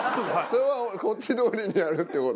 それをこっちどおりにやるって事？